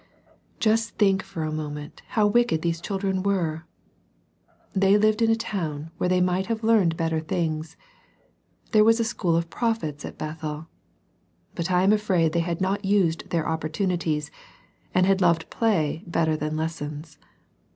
Just think for a moment how wicked these children were 1 They lived in a town where they might have learned better things. There was a school of prophets at Bethel. But I am afraid they had not used their opportunities, and had loved play better than lessons.